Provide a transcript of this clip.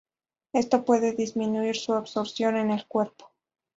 Esto puede disminuir su absorción en el cuerpo.